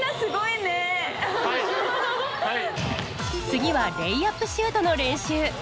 次はレイアップシュートの練習。